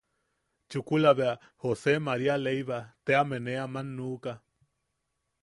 Chukula bea José María Leyva teame nee aman nuʼuka.